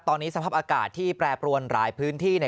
ตอนนี้สภาพอากาศที่แปรปรวนหลายพื้นที่